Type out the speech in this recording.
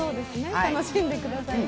楽しんでくださいね。